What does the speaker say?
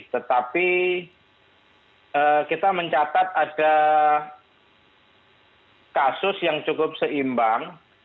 tetapi kita mencatat ada kasus yang cukup seimbang